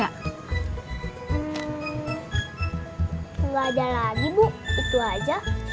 tidak ada lagi bu itu aja